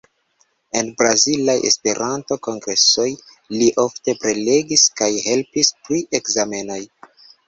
En brazilaj Esperanto-kongresoj li ofte prelegis kaj helpis pri ekzamenoj.